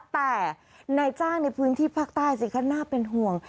แต่นายจ้างในพื้นที่ภาคใต้สิคะน่าเป็นห่วง